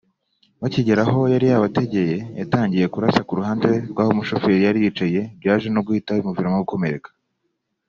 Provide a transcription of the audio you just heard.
Bakigera aho yari yabategeye yatangiye kurasa ku ruhande rw’ aho umushoferi yari yicaye byaje no guhita bimuviramo gukomereka